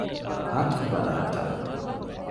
ހަޓް ބަލަހައްޓާ